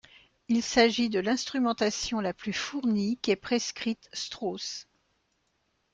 Il s'agit de l'instrumentation la plus fournie qu'ait prescrite Strauss.